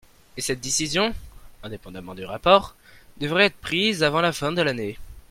Et cette décision, indépendamment du rapport, devrait être prise avant la fin de l’année.